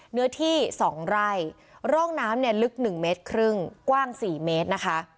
เนื้อที่๒ไร่ร่องน้ำลึก๑๕เมตรกว้าง๔เมตร